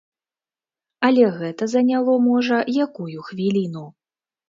Але гэта заняло можа якую хвіліну.